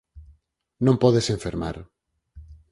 Non podes enfermar.